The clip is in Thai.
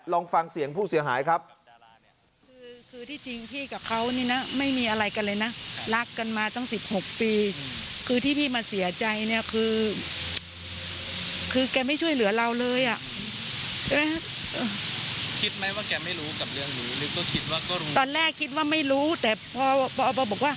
ลองฟังเสียงผู้เสียหายครับ